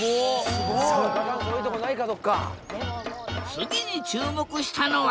次に注目したのは